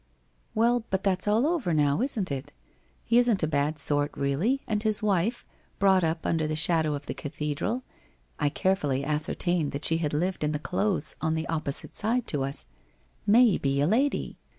Well, but that's all over now, isn't it? He isn't a bad sort really, and his wife, brought up under the shadow of the cathedral — I carefully ascertained that she had lived in the close on the opposite side to us — may be a lady.'